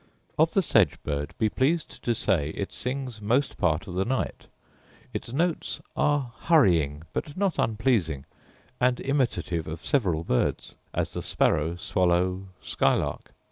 Of the sedge bird be pleased to say it sings most part of the night; its notes are hurrying, but not unpleasing, and imitative of several birds; as the sparrow, swallow, skylark.